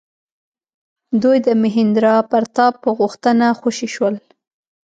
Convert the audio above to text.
دوی د مهیندرا پراتاپ په غوښتنه خوشي شول.